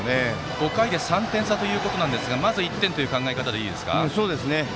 ５回で３点差ですがまず１点という考え方でいいですか。